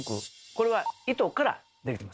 これは糸からできてます。